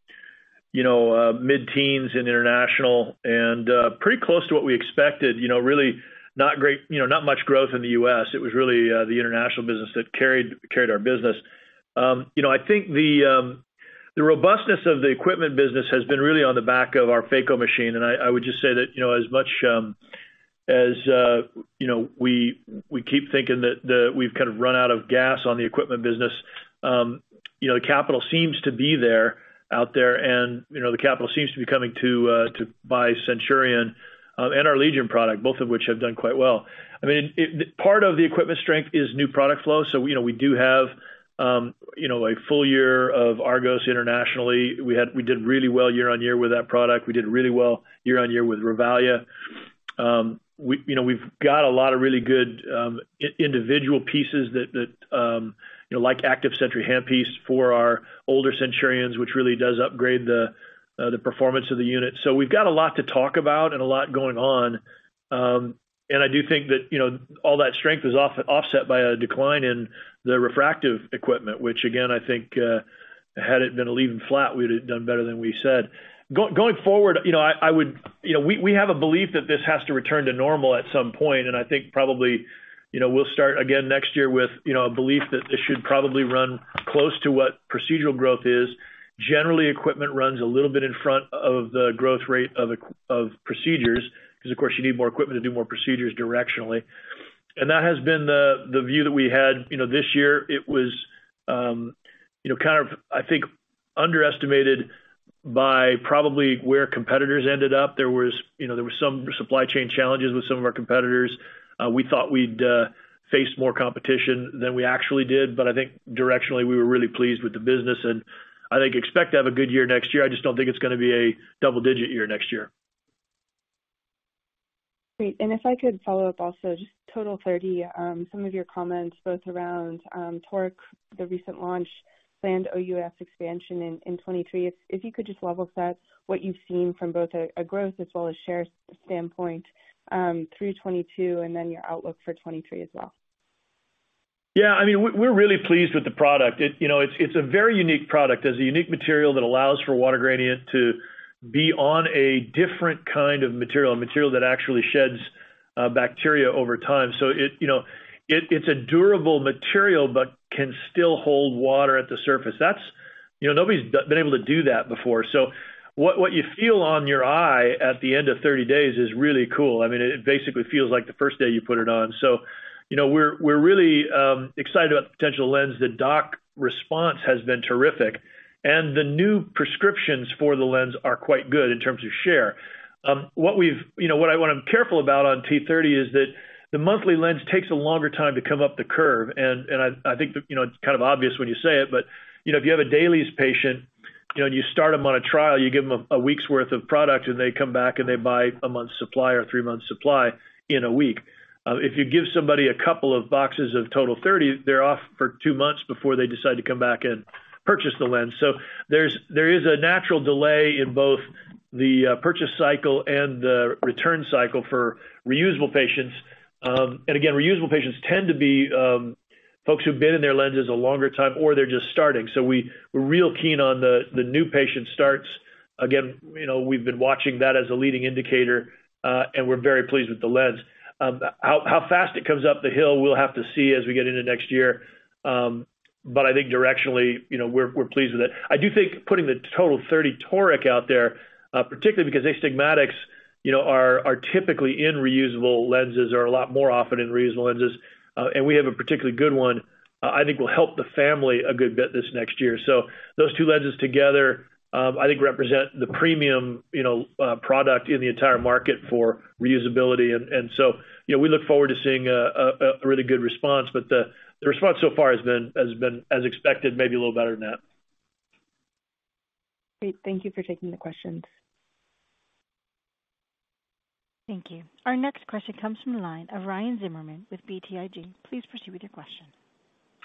S3: You know, mid-teens in international and pretty close to what we expected. You know, really not great, you know, not much growth in the US. It was really the international business that carried our business. You know, I think the robustness of the equipment business has been really on the back of our Phaco machine. I would just say that, you know, as much as, you know, we keep thinking that the we've kind of run out of gas on the equipment business, you know, the capital seems to be there, out there, and, you know, the capital seems to be coming to buy Centurion and our Legion product, both of which have done quite well. I mean, part of the equipment strength is new product flow. You know, we do have, you know, a full year of Argos internationally. We did really well year-on-year with that product. We did really well year-on-year with Revalia. We, you know, we've got a lot of really good, individual pieces that, you know, like ACTIVE SENTRY Handpiece for our older Centurions, which really does upgrade the performance of the unit. We've got a lot to talk about and a lot going on. I do think that, you know, all that strength is off-offset by a decline in the refractive equipment, which again, I think, had it been even flat, we'd have done better than we said. Going forward, you know. You know, we have a belief that this has to return to normal at some point, and I think probably, you know, we'll start again next year with, you know, a belief that this should probably run close to what procedural growth is. Generally, equipment runs a little bit in front of the growth rate of procedures, because of course you need more equipment to do more procedures directionally. That has been the view that we had. You know, this year it was, you know, kind of, I think, underestimated by probably where competitors ended up. There was, you know, there was some supply chain challenges with some of our competitors. We thought we'd face more competition than we actually did. I think directionally, we were really pleased with the business, and I think expect to have a good year next year. I just don't think it's gonna be a double-digit year next year.
S11: Great. If I could follow up also, just TOTAL30, some of your comments both around Toric, the recent launch, planned OUS expansion in 2023. If you could just level set what you've seen from both a growth as well as share standpoint, through 2022 and then your outlook for 2023 as well.
S3: Yeah. I mean, we're really pleased with the product. It, you know, it's a very unique product. It's a unique material that allows for Water Gradient to be on a different kind of material, a material that actually sheds bacteria over time. It, you know, it's a durable material, but can still hold water at the surface. That's. You know, nobody's been able to do that before. What you feel on your eye at the end of 30 days is really cool. I mean, it basically feels like the first day you put it on. You know, we're really excited about the potential of the lens. The doc response has been terrific, and the new prescriptions for the lens are quite good in terms of share. What we've. You know, what I wanna be careful about on TOTAL30 is that the monthly lens takes a longer time to come up the curve. I think the, you know, it's kind of obvious when you say it, but, you know, if you have a DAILIES patient, you know, and you start them on a trial, you give them a week's worth of product, and they come back and they buy a month's supply or three months supply in a week. If you give somebody a couple of boxes of TOTAL30, they're off for two months before they decide to come back and purchase the lens. There is a natural delay in both the purchase cycle and the return cycle for reusable patients. Again, reusable patients tend to be, folks who've been in their lenses a longer time or they're just starting. We're real keen on the new patient starts. Again, you know, we've been watching that as a leading indicator, and we're very pleased with the lens. How fast it comes up the hill, we'll have to see as we get into next year. I think directionally, you know, we're pleased with it. I do think putting the TOTAL30 toric out there, particularly because astigmatics, you know, are typically in reusable lenses or a lot more often in reusable lenses, and we have a particularly good one, I think will help the family a good bit this next year. Those two lenses together, I think represent the premium, you know, product in the entire market for reusability. You know, we look forward to seeing a really good response. The response so far has been as expected, maybe a little better than that.
S11: Great. Thank you for taking the questions.
S1: Thank you. Our next question comes from the line of Ryan Zimmerman with BTIG. Please proceed with your question.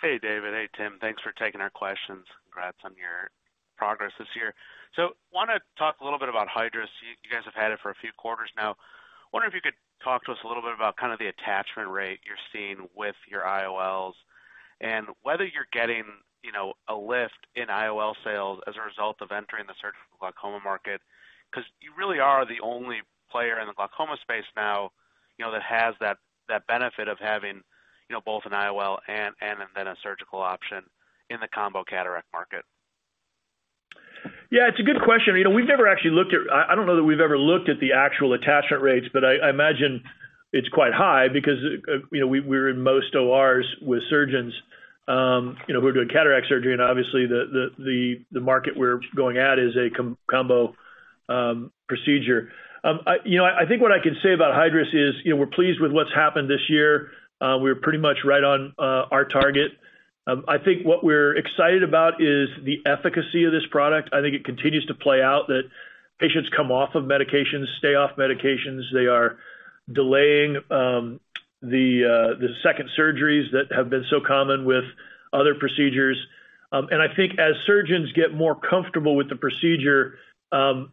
S12: Hey, David. Hey, Tim. Thanks for taking our questions. Congrats on your progress this year. Wanna talk a little bit about Hydrus. You guys have had it for a few quarters now. Wonder if you could talk to us a little bit about kind of the attachment rate you're seeing with your IOLs and whether you're getting, you know, a lift in IOL sales as a result of entering the surgical glaucoma market. You really are the only player in the glaucoma space now, you know, that has that benefit of having, you know, both an IOL and then a surgical option in the combo cataract market.
S3: Yeah, it's a good question. You know, we've never actually looked at. I don't know that we've ever looked at the actual attachment rates, but I imagine it's quite high because, you know, we're in most ORs with surgeons, you know, who are doing cataract surgery. Obviously the market we're going at is a combo procedure. I, you know, I think what I can say about Hydrus is, you know, we're pleased with what's happened this year. We're pretty much right on our target. I think what we're excited about is the efficacy of this product. I think it continues to play out that patients come off of medications, stay off medications. They are delaying the second surgeries that have been so common with other procedures. I think as surgeons get more comfortable with the procedure,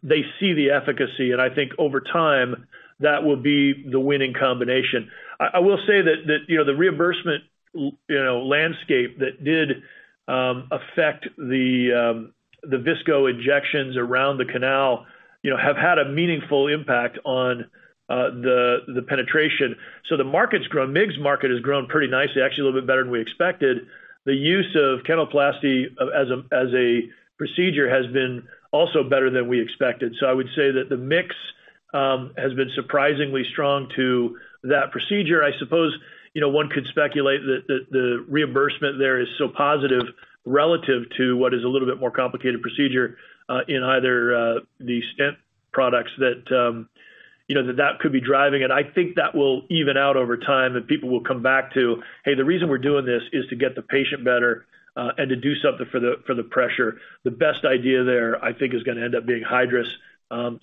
S3: they see the efficacy. I think over time, that will be the winning combination. I will say that, you know, the reimbursement, you know, landscape that did affect the visco injections around the canal, you know, have had a meaningful impact on the penetration. The market's grown. MIGS market has grown pretty nicely, actually a little bit better than we expected. The use of canaloplasty as a procedure has been also better than we expected. I would say that the mix has been surprisingly strong to that procedure. I suppose, you know, one could speculate that the reimbursement there is so positive relative to what is a little bit more complicated procedure, in either the stent products that, you know, that could be driving it. I think that will even out over time, and people will come back to, "Hey, the reason we're doing this is to get the patient better, and to do something for the pressure." The best idea there, I think, is gonna end up being Hydrus.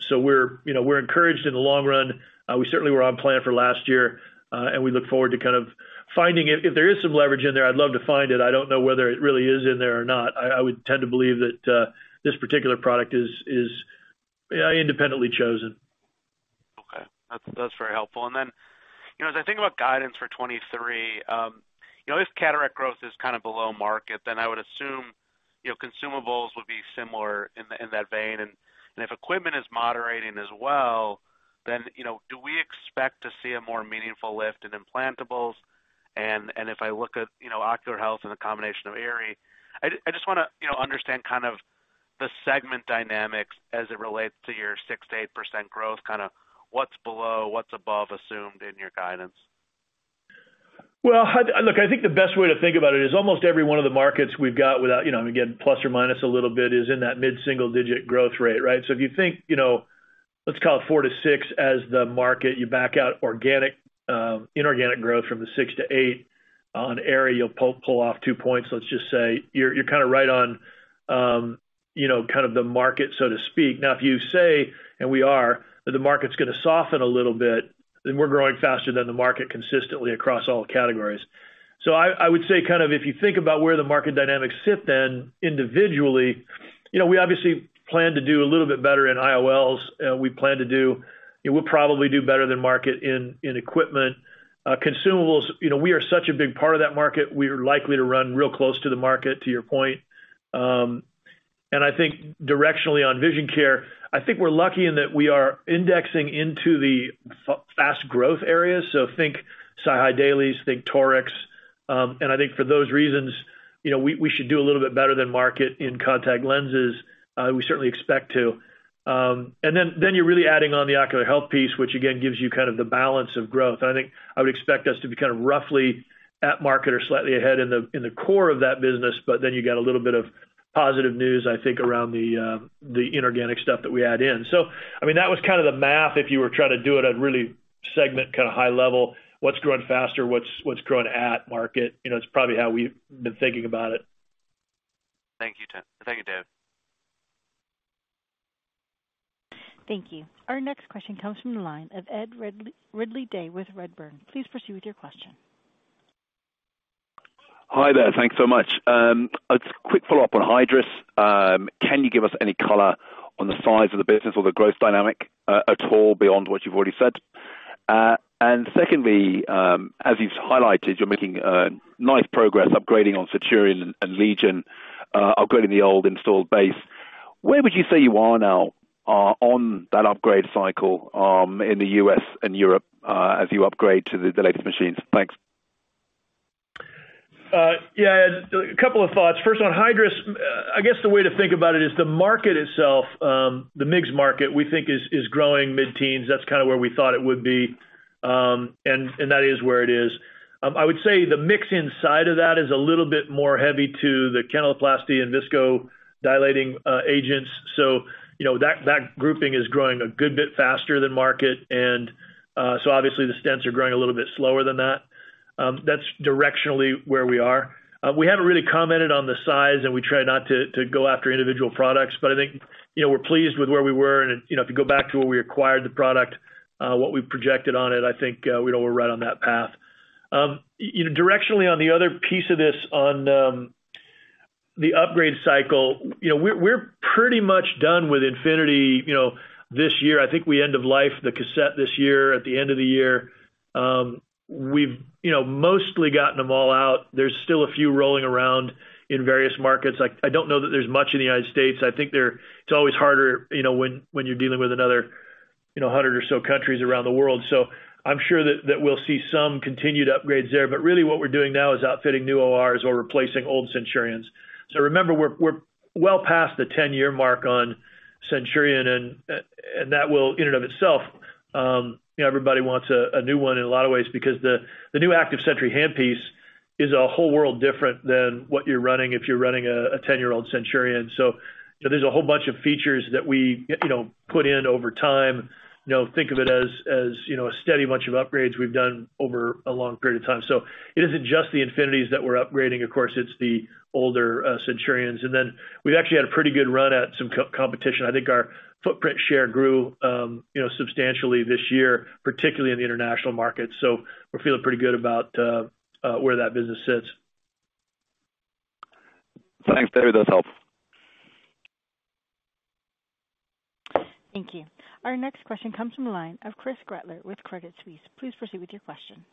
S3: So we're, you know, we're encouraged in the long run. We certainly were on plan for last year, and we look forward to kind of finding it. If there is some leverage in there, I'd love to find it. I don't know whether it really is in there or not. I would tend to believe that this particular product is, yeah, independently chosen.
S12: Okay. That's, that's very helpful. You know, as I think about guidance for 2023, you know, if cataract growth is kind of below market, then I would assume, you know, consumables would be similar in that, in that vein. If equipment is moderating as well, then, you know, do we expect to see a more meaningful lift in implantables? If I look at, you know, ocular health and the combination of Aerie, I just wanna, you know, understand kind of the segment dynamics as it relates to your 6%-8% growth, kinda what's below, what's above assumed in your guidance.
S3: Well, Look, I think the best way to think about it is almost every one of the markets we've got without, you know, again, plus or minus a little bit, is in that mid-single digit growth rate, right? If you think, you know, let's call it 4-6 as the market, you back out organic, inorganic growth from the 6-8 on Aerie, you'll pull off 2 points, let's just say. You're kind of right on, you know, kind of the market, so to speak. If you say, and we are, that the market's gonna soften a little bit, then we're growing faster than the market consistently across all categories. I would say kind of if you think about where the market dynamics sit then individually, you know, we obviously plan to do a little bit better in IOLs. We'll probably do better than market in equipment. Consumables, you know, we are such a big part of that market. We're likely to run real close to the market, to your point. I think directionally on vision care, I think we're lucky in that we are indexing into the fast growth areas. So think SiHy dailies, think Torics. I think for those reasons, you know, we should do a little bit better than market in contact lenses. We certainly expect to. Then you're really adding on the ocular health piece, which again gives you kind of the balance of growth. I think I would expect us to be kind of roughly at market or slightly ahead in the core of that business. You get a little bit of positive news, I think, around the inorganic stuff that we add in. I mean, that was kind of the math, if you were trying to do it at really segment kind of high level, what's growing faster, what's growing at market. You know, it's probably how we've been thinking about it.
S12: Thank you, David.
S1: Thank you. Our next question comes from the line of Ed Ridley-Day with Redburn. Please proceed with your question.
S13: Hi there. Thanks so much. A quick follow-up on Hydrus. Can you give us any color on the size of the business or the growth dynamic, at all beyond what you've already said? And, secondly, as you've highlighted, you're making nice progress upgrading on Centurion and LEGION, upgrading the old installed base. Where would you say you are now, on that upgrade cycle, in the U.S. and Europe, as you upgrade to the latest machines? Thanks.
S3: Yeah. A couple of thoughts. First, on Hydrus, I guess the way to think about it is the market itself, the MIGS market, we think is growing mid-teens. That's kinda where we thought it would be. That is where it is. I would say the mix inside of that is a little bit more heavy to the canaloplasty and visco dilating agents. You know, that grouping is growing a good bit faster than market. Obviously the stents are growing a little bit slower than that. That's directionally where we are. We haven't really commented on the size, and we try not to go after individual products. I think, you know, we're pleased with where we were. You know, if you go back to where we acquired the product, what we projected on it, I think, you know, we're right on that path. You know, directionally, on the other piece of this on the upgrade cycle, you know, we're pretty much done with INFINITI, you know, this year. I think we end of life the cassette this year at the end of the year. We've, you know, mostly gotten them all out. There's still a few rolling around in various markets. Like, I don't know that there's much in the United States. I think it's always harder, you know, when you're dealing with another, you know, 100 or so countries around the world. I'm sure that we'll see some continued upgrades there. Really what we're doing now is outfitting new ORs or replacing old Centurions. Remember, we're well past the 10-year mark on Centurion and that will in and of itself, you know, everybody wants a new one in a lot of ways because the new ACTIVE SENTRY Handpiece is a whole world different than what you're running if you're running a 10-year-old Centurion. You know, there's a whole bunch of features that we, you know, put in over time. You know, think of it as, you know, a steady bunch of upgrades we've done over a long period of time. It isn't just the INFINITIs that we're upgrading, of course, it's the older Centurions. Then we've actually had a pretty good run at some co-competition. I think our footprint share grew, you know, substantially this year, particularly in the international market. We're feeling pretty good about where that business sits.
S13: Thanks, David. That's helpful.
S1: Thank you. Our next question comes from the line of Chris Gretler with Credit Suisse. Please proceed with your question.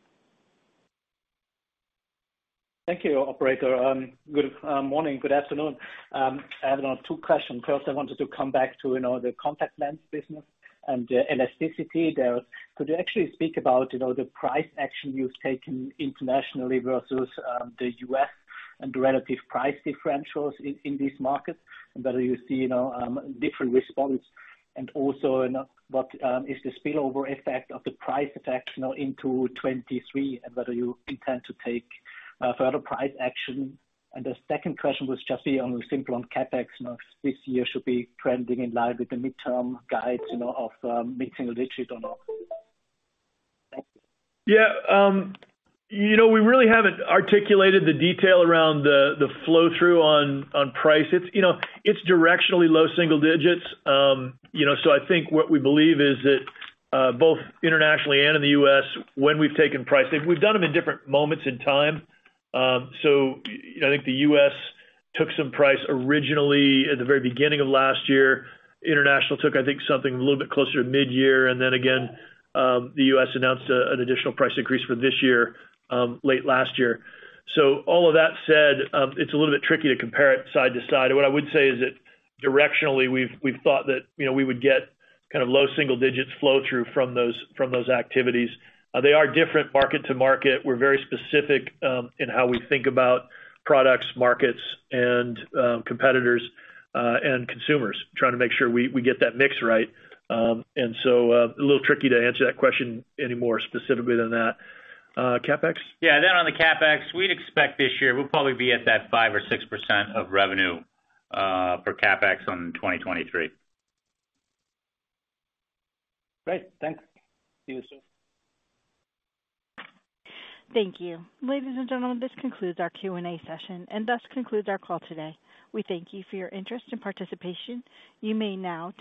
S14: Thank you, operator. Good morning, good afternoon. I have now 2 questions. First, I wanted to come back to, you know, the contact lens business and elasticity there. Could you actually speak about, you know, the price action you've taken internationally versus the US and the relative price differentials in these markets? Whether you see, you know, different response and also in what is the spillover effect of the price effect, you know, into 2023 and whether you intend to take further price action. The second question was just on simple on CapEx, you know, this year should be trending in line with the midterm guides, you know, of mid-single digits or not. Thank you.
S3: Yeah. you know, we really haven't articulated the detail around the flow-through on price. It's, you know, it's directionally low single digits. you know, I think what we believe is that both internationally and in the U.S., when we've taken price, we've done them in different moments in time. I think the U.S. took some price originally at the very beginning of last year. International took, I think, something a little bit closer to mid-year. The U.S. announced an additional price increase for this year, late last year. All of that said, it's a little bit tricky to compare it side to side. What I would say is that directionally, we've thought that, you know, we would get kind of low single digits flow through from those activities. They are different market to market. We're very specific in how we think about products, markets and competitors and consumers, trying to make sure we get that mix right. A little tricky to answer that question any more specifically than that. CapEx?
S4: Yeah. on the CapEx, we'd expect this year, we'll probably be at that 5% or 6% of revenue, for CapEx on 2023.
S14: Great. Thanks. See you soon.
S1: Thank you. Ladies and gentlemen, this concludes our Q&A session and thus concludes our call today. We thank you for your interest and participation. You may now disconnect.